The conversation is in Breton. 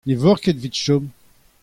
ne voc'h ket evit chom.